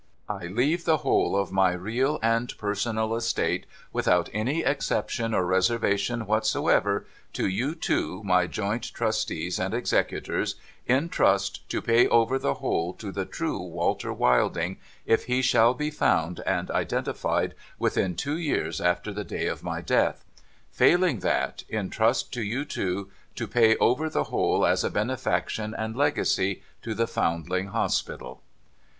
I leave the whole of my real and personal estate, without any exception or reservation whatsoever, to you two, my joint trustees and executors, in trust to pay over the whole to the true Walter Wilding, if he shall be found and identified within two years after the day of my death. Failing that, in trust to you two to pay over the whole as a benefaction and legacy to the Foundling Hospital.'